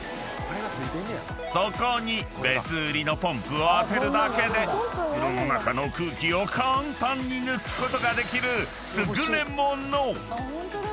［そこに別売りのポンプを当てるだけで袋の中の空気を簡単に抜くことができる優れもの］